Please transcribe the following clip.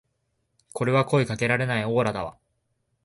これは声かけられないオーラだわ